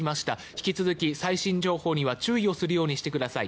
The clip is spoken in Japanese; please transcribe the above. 引き続き最新情報には注意をするようにしてください。